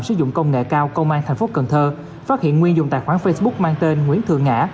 sử dụng công nghệ cao công an tp cần thơ phát hiện nguyên dùng tài khoản facebook mang tên nguyễn thường ngã